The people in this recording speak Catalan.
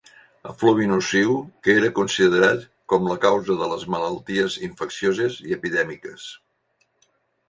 Efluvi nociu que era considerat com la causa de les malalties infeccioses i epidèmiques.